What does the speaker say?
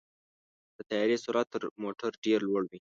د طیارې سرعت تر موټرو ډېر لوړ وي.